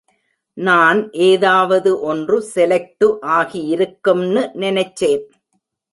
நான் ஏதாவது ஒன்று செலைக்ட்டு ஆயிருக்கும்னு நெனச்சேன்.